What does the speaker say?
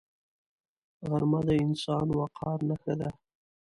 غرمه د انساني وقار نښه ده